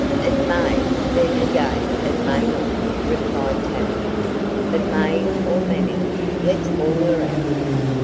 "It may, then again it may not," replied Tavia. "But May or Mamie, let's haul her out."